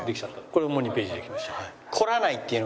これでもう２ページできました。